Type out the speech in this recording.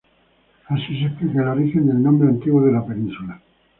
Así se explica el origen del nombre antiguo de la península.